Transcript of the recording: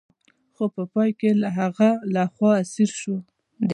خو په پای کې د هغه لخوا اسیر شو.